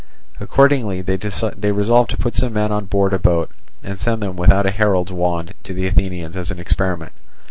Accordingly they resolved to put some men on board a boat, and send them without a herald's wand to the Athenians, as an experiment.